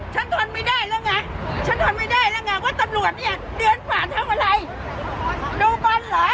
ทนไม่ได้แล้วไงฉันทนไม่ได้แล้วไงว่าตำรวจเนี่ยเดินผ่านทำอะไรดูบอลเหรอ